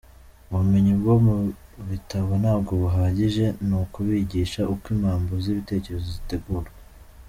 Ubumenyi bwo mu bitabo ntabwo buhagije, ni ukubigisha uko imambo z’ibitekerezo zitegurwa.